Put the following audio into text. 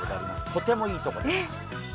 とてもいいところです。